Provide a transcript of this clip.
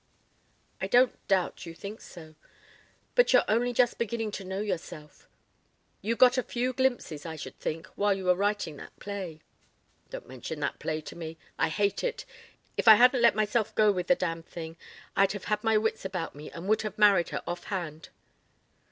"I don't doubt you think so. But you're only just beginning to know yourself. You got a few glimpses, I should think, while you were writing that play." "Don't mention that play to me. I hate it. If I hadn't let myself go with the damned thing I'd have had my wits about me and would have married her off hand."